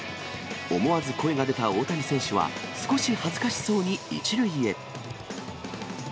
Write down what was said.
思わず声が出た大谷選手は、少し恥ずかしそうに１塁へ。